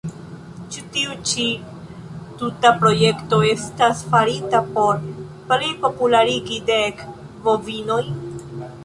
Ĉu tiu ĉi tuta projekto estas farita por plipopularigi Dek Bovinojn?